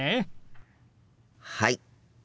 はい。